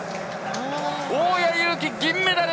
大矢勇気、銀メダル！